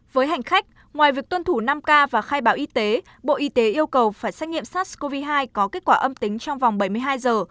với hành khách ngoài việc tuân thủ năm k và khai báo y tế bộ y tế yêu cầu phải xét nghiệm sars cov hai có kết quả âm tính trong vòng bảy mươi hai giờ